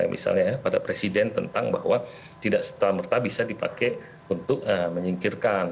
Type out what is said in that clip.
misalnya pada presiden tentang bahwa tidak setamerta bisa dipakai untuk menyingkirkan